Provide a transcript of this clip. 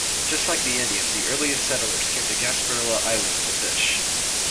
Just like the Indians, the earliest settlers came to Gasparilla Island to fish.